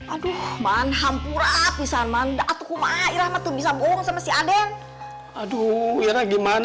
aduh man hampurah pisah manda atau kumai rahmat bisa bohong sama si aden aduh gimana